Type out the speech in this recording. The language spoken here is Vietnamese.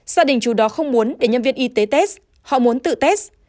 gia đình chú đó không muốn để nhân viên y tế test họ muốn tự test